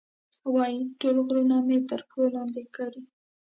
وایي، ټول غرونه مې تر پښو لاندې کړي.